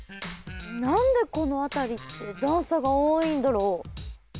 何でこの辺りって段差が多いんだろう。